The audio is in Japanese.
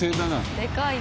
でかいね。